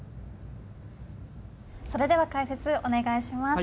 それでは解説お願いします。